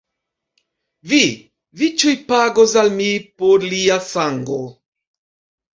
Vi, vi ĉiuj pagos al mi por lia sango!